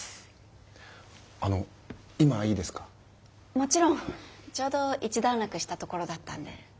もちろんちょうど一段落したところだったんで。